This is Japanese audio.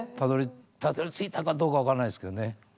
たどりついたかどうか分からないですけどね。